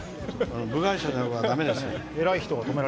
部外者はだめです。